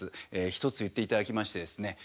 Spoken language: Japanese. １つ言っていただきましてですね